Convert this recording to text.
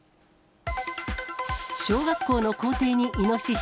小学校の校庭にイノシシ。